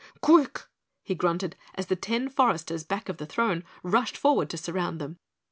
"Quick!" he grunted as the ten foresters back of the throne rushed forward to surround them.